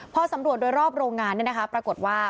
พอสำรวจโดยรอบโรงงานปรากฏว่า